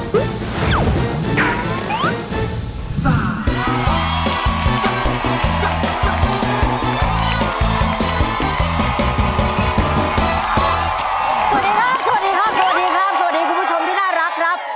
สวัสดีครับคุณผู้ชมน่ารักครับ